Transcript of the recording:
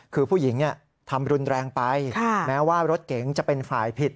คือผู้หญิงทำรุนแรงไปแม้ว่ารถเก๋งจะเป็นฝ่ายผิด